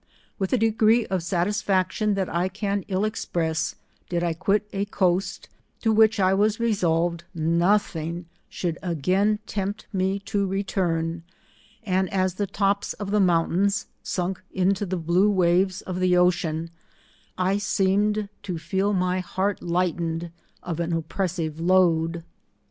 With a degree of satisfaction that I can ill express, did I quit a 'coast, to which I was resolved nothing should again tempt me to return, and as the tops of the mountains sunk in the blue waves of the ocean, I seemed to feel my heart lightened of an oppres &:ve load*